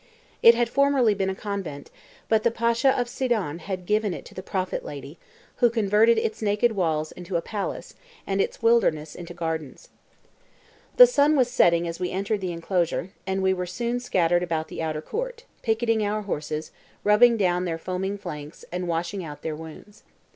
It had formerly been a convent, but the Pasha of Sidon had given it to the "prophet lady," who converted its naked walls into a palace, and its wilderness into gardens. The sun was setting as we entered the enclosure, and we were soon scattered about the outer court, picketing our horses, rubbing down their foaming flanks, and washing out their wounds.